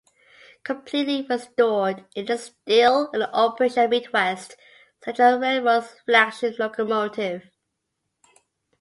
Completely restored it is still in operation as Midwest Central Railroad's flagship locomotive.